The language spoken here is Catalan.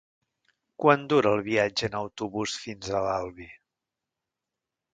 Quant dura el viatge en autobús fins a l'Albi?